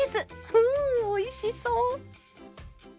うんおいしそう！